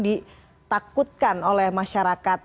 ditakutkan oleh masyarakat